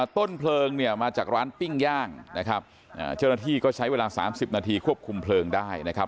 ต้นเพลิงเนี่ยมาจากร้านปิ้งย่างนะครับเจ้าหน้าที่ก็ใช้เวลา๓๐นาทีควบคุมเพลิงได้นะครับ